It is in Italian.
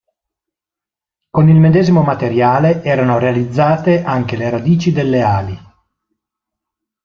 Con il medesimo materiale erano realizzate anche le radici delle ali.